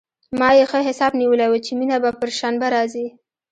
ما يې ښه حساب نيولى و چې مينه به پر شنبه راځي.